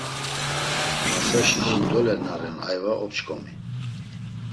Masaşi jindole naren ayva opç̆k̆omi.